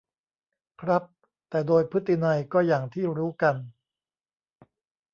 ครับ แต่โดยพฤตินัยก็อย่างที่รู้กัน